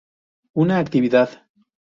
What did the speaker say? Una actividad.